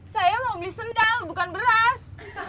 saya mau beli sendal bukan beras